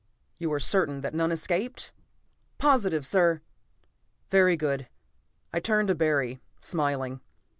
"You are certain that none escaped?" "Positive, sir." "Very good." I turned to Barry, smiling.